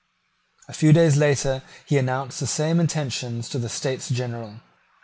A few days later he announced the same intentions to the States General.